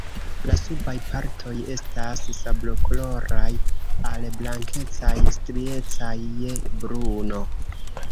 La subaj partoj estas sablokoloraj al blankecaj, striecaj je bruno.